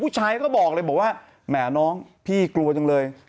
ผู้ชายก็บอกเลยบอกว่าแหมน้องพี่กลัวจังเลย